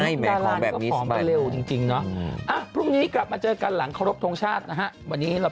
พ่อมันก็ต้องมาคอยดูแลด้วยเป็นต้นแค่นั้นแค่นั้นแล้ว